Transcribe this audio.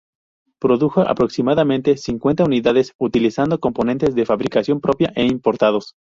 Produjo aproximadamente cincuenta unidades, utilizando componentes de fabricación propia e importados.